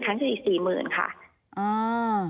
ครั้งที่สี่๔๐๐๐๐บาทค่ะ